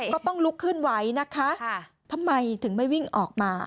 ก็ต้องลุกขึ้นไว้นะคะทำไมถึงไม่วิ่งออกมา